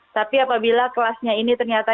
tapi apabila kelasnya ini ternyata